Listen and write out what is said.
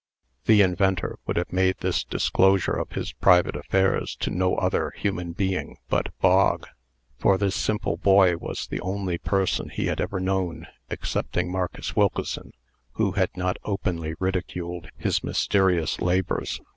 The inventor would have made this disclosure of his private affairs to no other human being but Bog; for this simple boy was the only person he had ever known (excepting Marcus Wilkeson) who had not openly ridiculed his mysterious labors.